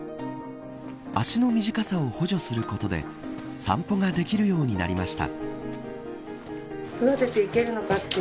足の短さを補助することで散歩ができるようになりました。